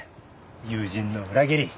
友人の裏切り。